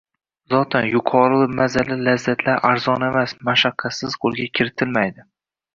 Zotan, yuqori mazali lazzatlar arzon emas, mashaqqatsiz qoʻlga kirmaydi